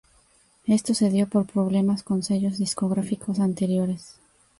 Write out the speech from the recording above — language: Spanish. Esto se dio por problemas con sellos discográficos anteriores.